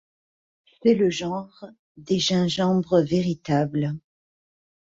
C'est le genre des gingembres véritables.